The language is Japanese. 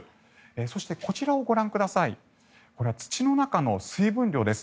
そして、こちらは土の中の水分量です。